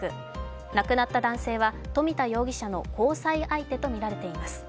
亡くなった男性は富田容疑者の交際相手とみられています。